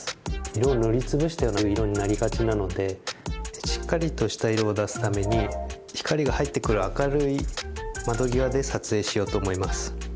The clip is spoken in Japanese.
色塗りつぶしたような色になりがちなのでしっかりとした色を出すために光が入ってくる明るい窓際で撮影しようと思います。